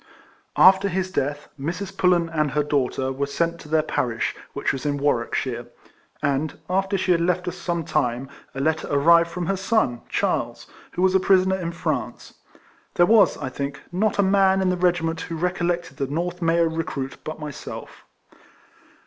After his death, Mrs. Pullen and her daughter were sent to their parish, which was in Warwickshire; and, after she had left us some time, a letter arrived from her son, Charles, who was a prisoner in France. There was, I think, not a man in the regi ment who recollected the North MayAo re cruit but myself.